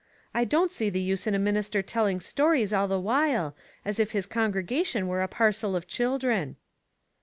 I don't see the use in a minister telling stories all the while, as if his congregation were a parcel of children."